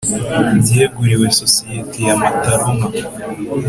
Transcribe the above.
byegurirwe Sosiyete ya mataroma